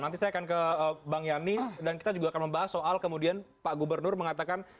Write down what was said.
nanti saya akan ke bang yani dan kita juga akan membahas soal kemudian pak gubernur mengatakan